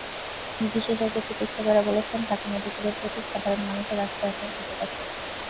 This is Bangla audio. বিশেষজ্ঞ চিকিৎসকেরা বলছেন, ঢাকা মেডিকেলের প্রতি সাধারণ মানুষের আস্থা এখনো অটুট আছে।